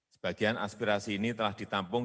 sebagian aspirasi ini telah ditampung